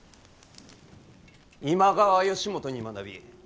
今川義元に学び。